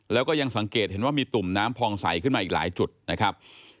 แล้วก็ยังสังเกตเห็นว่ามีตุ่มน้ำพองใสขึ้นมาอีกหลายจุดนะครับ